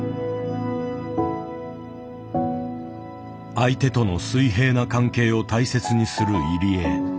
相手との水平な関係を大切にする入江。